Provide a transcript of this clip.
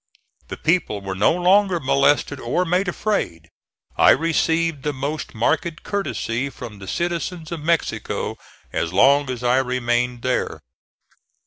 The people were no longer molested or made afraid. I received the most marked courtesy from the citizens of Mexico as long as I remained there.